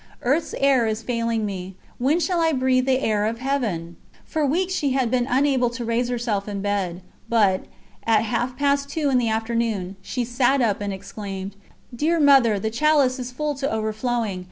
... Earth's air is failing me: when shall I breathe the air of Heaven?" For weeks she had been unable to raise herself in bed, but, at half past two in the afternoon, she sat up and exclaimed: "Dear Mother, the chalice is full to overflowing!